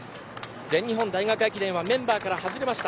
全日本大学駅伝ではメンバーから外れました。